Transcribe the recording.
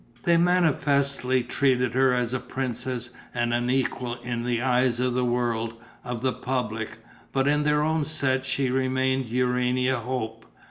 They manifestly treated her as a princess and an equal in the eyes of the world, of the public. But in their own set she remained Urania Hope.